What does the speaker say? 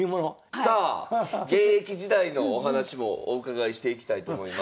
さあ現役時代のお話もお伺いしていきたいと思います。